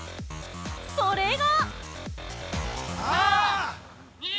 それが！